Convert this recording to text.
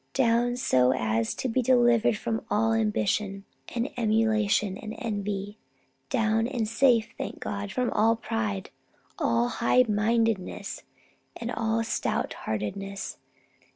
Down so as to be delivered from all ambition and emulation and envy. Down, and safe, thank God, from all pride, all high mindedness, and all stout heartedness.